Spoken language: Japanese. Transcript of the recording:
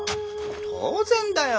当然だよ！